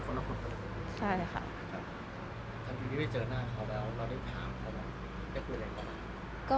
ตอนที่ที่ไปเจอหน้าเขาแล้วเราได้ถามเขาแล้วได้คุยอะไรก่อน